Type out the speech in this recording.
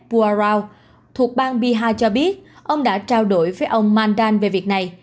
puarra thuộc bang bihar cho biết ông đã trao đổi với ông mandan về việc này